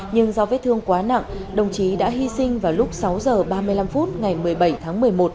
nhưng do vết thương quá nặng đồng chí đã hy sinh vào lúc sáu h ba mươi năm phút ngày một mươi bảy tháng một mươi một